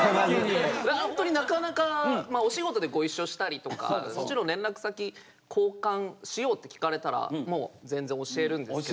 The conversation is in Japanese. ホントになかなかお仕事でご一緒したりとかもちろん連絡先交換しようって聞かれたらもう全然教えるんですけど。